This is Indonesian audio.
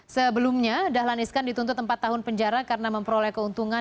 sebelumnya dahlan iskan dituntut empat tahun penjara karena memperoleh keuntungan